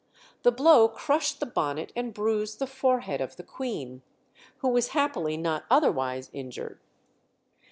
The blow crushed the bonnet and bruised the forehead of the Queen, who was happily not otherwise injured.